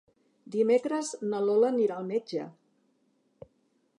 Dimecres na Lola anirà al metge.